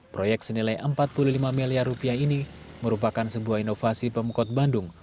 proyek senilai empat puluh lima miliar rupiah ini merupakan sebuah inovasi pemkot bandung